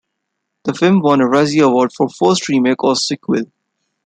The film won a Razzie Award for Worst Remake or Sequel.